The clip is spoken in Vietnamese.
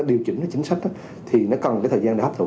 điều chỉnh chính sách thì nó cần thời gian để hấp thụ